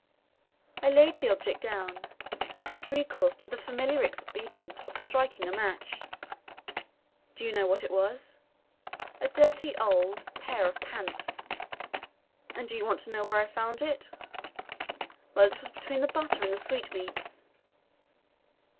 I laid the object down, and had recourse to the familiar expedient of striking a match. Do you know what it was? A dirty old pair of pants! and do you want to know where I found it? Well, it was between the butter and the sweetmeats.